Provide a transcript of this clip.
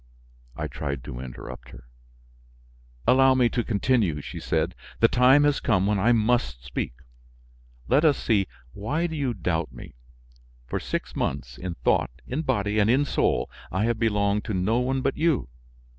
I tried to interrupt her. "Allow me to continue," she said, "the time has come when I must speak. Let us see, why do you doubt me? For six months, in thought, in body, and in soul, I have belonged to no one but you.